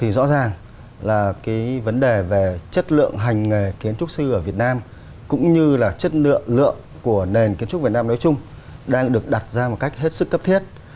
rõ ràng là vấn đề về chất lượng hành nghề kiến trúc sư ở việt nam cũng như là chất lượng lượng của nền kiến trúc việt nam nói chung đang được đặt ra một cách hết sức cấp thiết